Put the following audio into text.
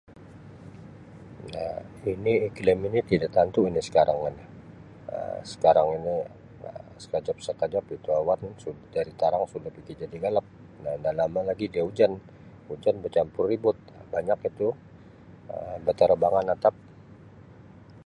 Um Ini iklim ini tidak tantu ini sekarang ani Um sekarang ini Um sekajap-sekajap itu awan sud jadi tarang suda pigi jadi galap nda lama lagi dia hujan hujan becampur ribut Um banyak itu Um batarbangan atap.